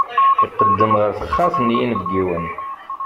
Iqeddem ɣer texxamt n yinebgiwen.